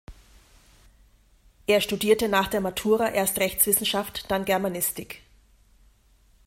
Er studierte nach der Matura erst Rechtswissenschaft, dann Germanistik.